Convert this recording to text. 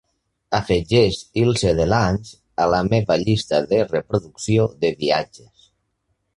Afegeix Ilse DeLange a la meva llista de reproducció de viatges